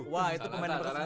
wah itu pemain pemain